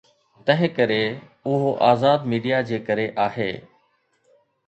تنهنڪري اهو آزاد ميڊيا جي ڪري آهي.